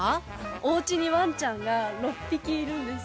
おうちにワンちゃんが６匹いるんです。